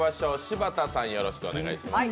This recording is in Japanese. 柴田さん、よろしくお願いします。